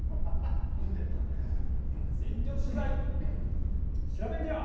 全力取材！